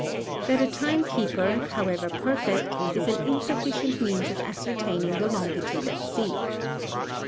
That a Time keeper, however perfect, is an insufficient Means of ascertaining the Longitude at Sea.